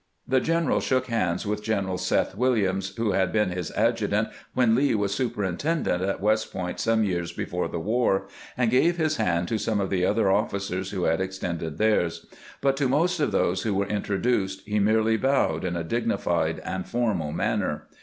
The general shook hands with General Seth Williams, who had been his adjutant when Lee was superintendent at West Point some years before the war, and gave his hand to some of the other officers who had extended theirs ; but to most of those who were introduced he merely bowed in a dignified and formal manner.